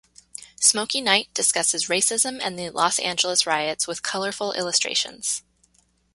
"Smoky Night" discusses racism and the Los Angeles riots with colorful illustrations.